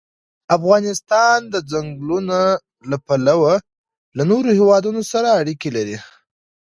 افغانستان د ځنګلونه له پلوه له نورو هېوادونو سره اړیکې لري.